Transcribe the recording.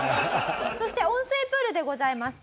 そして温水プールでございます。